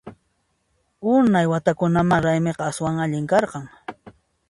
Unay watakunamá fistaqa aswan allin karqan!